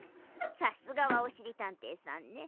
さすがはおしりたんていさんね。